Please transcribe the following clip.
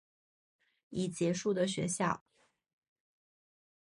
已结束的学校